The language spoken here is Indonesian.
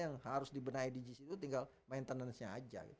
yang harus dibenahi di gis itu tinggal maintenance nya aja